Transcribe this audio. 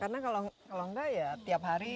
karena kalau enggak ya tiap hari